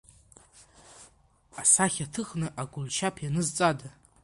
Асахьа ҭыхны Агәылшьап ианызҵада?